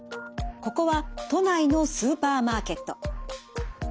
ここは都内のスーパーマーケット。